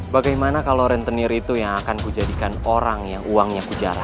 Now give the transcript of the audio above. bagaimana kalau rentenir itu yang akan kujadikan orang yang uangnya kujarah